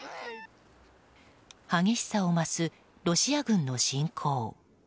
激しさを増すロシア軍の侵攻。